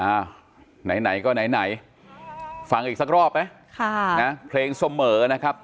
อ่าไหนก็ไหนฟังอีกสักรอบไหมค่ะนะเพลงส่วนเหมือนนะครับ